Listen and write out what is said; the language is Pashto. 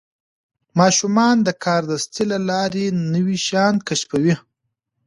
ماشومان د کاردستي له لارې نوي شیان کشفوي.